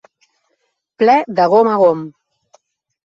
Ple de gom a gom.